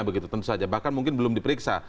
bahkan mungkin belum diperiksa